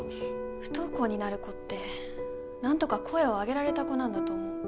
不登校になる子ってなんとか声を上げられた子なんだと思う。